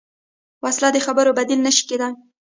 وسله د خبرو بدیل نه شي کېدای